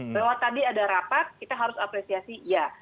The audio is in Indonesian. bahwa tadi ada rapat kita harus apresiasi ya